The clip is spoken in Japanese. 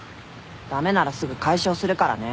駄目ならすぐ解消するからね。